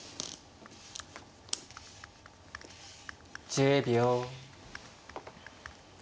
１０秒。